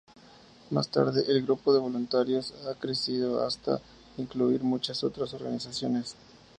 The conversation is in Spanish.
Más tarde, el grupo de voluntarios ha crecido hasta incluir a muchas otras organizaciones.